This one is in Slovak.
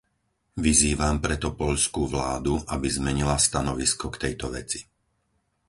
Vyzývam preto poľskú vládu, aby zmenila stanovisko k tejto veci.